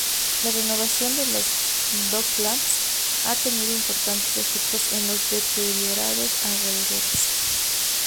La renovación de los Docklands ha tenido importantes efectos en los deteriorados alrededores.